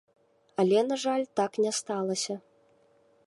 Але, на жаль, так не сталася.